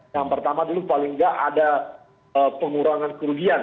yang pertama dulu paling tidak ada penurangan kerugian